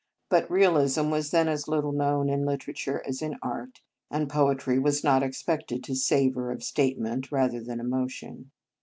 But realism was then as little known in literature as in art, and poetry was not expected to savour of statement rather than emotion.